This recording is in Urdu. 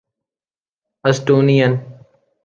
اسٹونین